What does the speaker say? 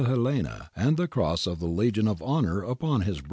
Helena and the Cross of the Legion of Honour upon his breast.